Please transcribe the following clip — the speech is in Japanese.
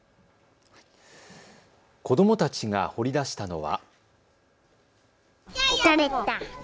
子どもたちが掘り出したのは。